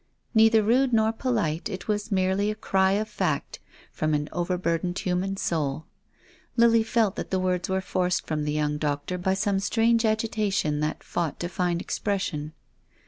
Neither rude nor polite, it was merely a cry of fact from an overburdened human soul. Lily felt that the words were forced from the young doctor by some strange agitation that fought to find ex pression.